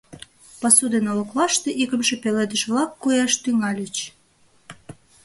Пасу ден олыклаште икымше пеледыш-влак кояш тӱҥальыч.